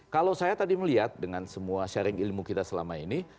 kalau saya tadi melihat dengan semua sharing ilmu kita selama ini